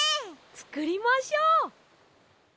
つくりましょう！